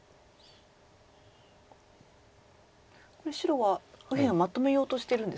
これ白は右辺をまとめようとしてるんですか？